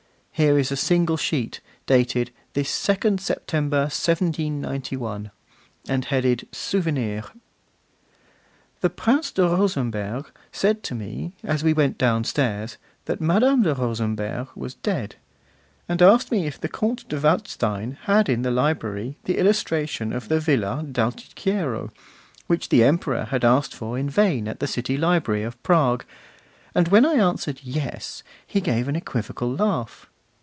Here is a single sheet, dated 'this 2nd September, 1791,' and headed Souvenir: The Prince de Rosenberg said to me, as we went down stairs, that Madame de Rosenberg was dead, and asked me if the Comte de Waldstein had in the library the illustration of the Villa d'Altichiero, which the Emperor had asked for in vain at the city library of Prague, and when I answered 'yes,' he gave an equivocal laugh.